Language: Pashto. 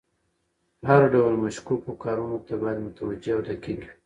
هر ډول مشکوکو کارونو ته باید متوجه او دقیق وي.